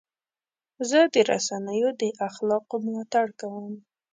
زه د رسنیو د اخلاقو ملاتړ کوم.